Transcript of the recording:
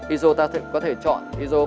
iso ta có thể chọn iso